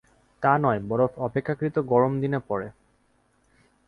তা নয়, বরফ অপেক্ষাকৃত গরম দিনে পড়ে।